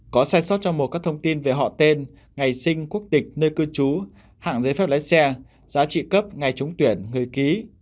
có sai sót trong mùa các thông tin về họ tên ngày sinh quốc tịch nơi cư trú hạng giấy phép lái xe giá trị cấp ngày trúng tuyển người ký